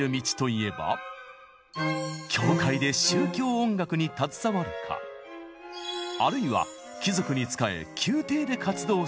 教会で宗教音楽に携わるかあるいは貴族に仕え宮廷で活動するか。